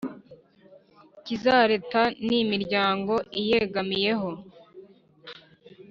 icy’izaleta n’imiryango iyegamiyeho